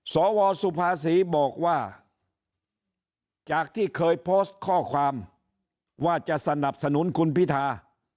สวสุภาษีบอกว่าจากที่เคยโพสต์ข้อความว่าจะสนับสนุนคุณพิธา